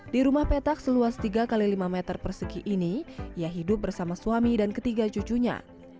di rumah petak seluas tiga x lima meter persegi ini ia hidup bersama suami dan ketiga cucunya